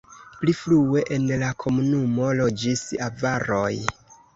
Pli frue en la komunumo loĝis avaroj.